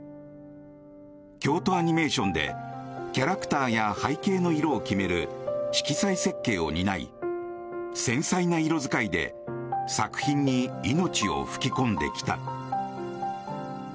京都アニメーションでキャラクターや背景の色を決める色彩設計を担い繊細な色使いで作品に命を吹き込んできた。